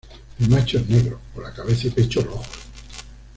El macho es negro, con la cabeza y pecho rojos.